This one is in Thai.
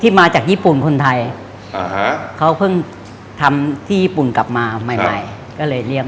ที่มาจากยิปุ่นคนไทยอ่าเข้าเพิ่งทำที่ยิปุ่นกลับมาใหม่ก็เลยเรียก